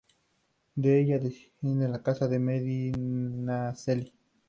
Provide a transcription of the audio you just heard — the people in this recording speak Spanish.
De ella desciende la casa de Medinaceli.